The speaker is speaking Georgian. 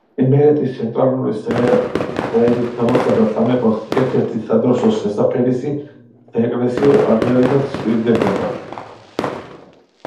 იმერეთის ცენტრალური საერისთავოსა და სამეფოს ერთ-ერთი სადროშოს შესაფერისი საეკლესიო აღიარებაც სჭირდებოდა.